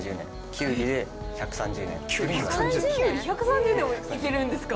きゅうり１３０年もいけるんですか？